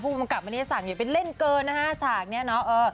ผู้กำกับมานี้สั่งอย่าไปเล่นเกินช่างนี้เนอะ